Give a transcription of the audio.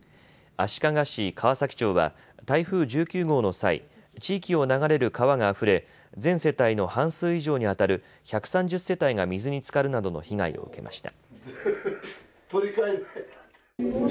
足利市川崎町は台風１９号の際、地域を流れる川があふれ全世帯の半数以上にあたる１３０世帯が水につかるなどの被害を受けました。